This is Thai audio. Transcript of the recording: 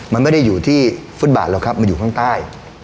มันไม่ได้อยู่ที่ฟุตบาทหรอกครับมันอยู่ข้างใต้